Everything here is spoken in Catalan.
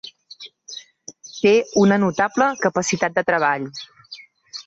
Té una notable capacitat de treball.